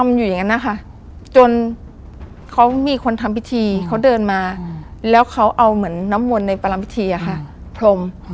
อยู่อย่างนั้นนะคะจนเขามีคนทำพิธีเขาเดินมาแล้วเขาเอาเหมือนน้ำมนต์ในประลำพิธีอะค่ะพรม